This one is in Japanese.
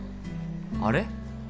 あれ？